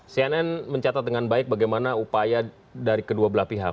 cnn mencatat dengan baik bagaimana upaya dari kedua belah pihak